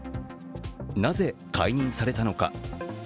なぜ解任されたのか。